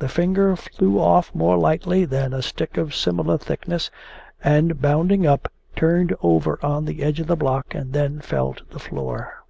The finger flew off more lightly than a stick of similar thickness, and bounding up, turned over on the edge of the block and then fell to the floor.